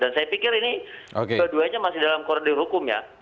dan saya pikir ini keduanya masih dalam koridor hukum ya